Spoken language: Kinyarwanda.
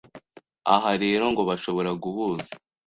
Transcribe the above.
Aha rero ngo bashobora guhuza